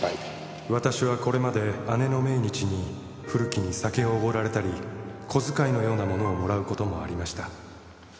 「私はこれまで姉の命日に古木に酒をおごられたり小遣いのようなものをもらう事もありました」